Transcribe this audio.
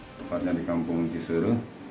sepatnya di kampung kisir